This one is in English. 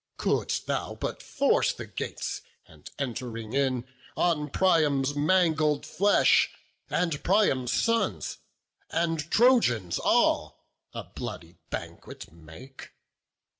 Couldst thou but force the gates, and entering in On Priam's mangled flesh, and Priam's sons, And Trojans all, a bloody banquet make.